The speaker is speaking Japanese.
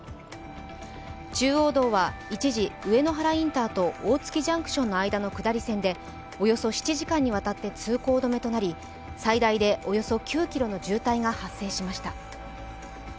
中央道は一時、上野原インターと大月ジャンクションの間の下り線でおよそ７時間にわたって通行止めとなり、最大でおよそ９ｋｍの渋滞が発生しました。